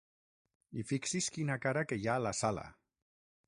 I fixi's quina cara que hi ha a la sala!